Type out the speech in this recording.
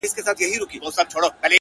• د دریاب پر غاړه لو کښټۍ ولاړه,